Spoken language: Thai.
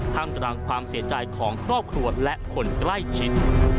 ทำกลางความเสียใจของครอบครัวและคนใกล้ชิด